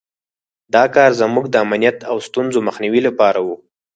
دا کار زموږ د امنیت او د ستونزو مخنیوي لپاره وو.